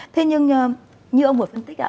thế nhưng như ông vừa phân tích